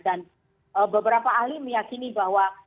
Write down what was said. dan beberapa ahli meyakini bahwa